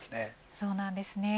そうなんですね